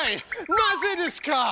なぜですか？